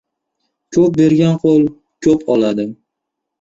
• Ko‘p bergan qo‘l ko‘p oladi.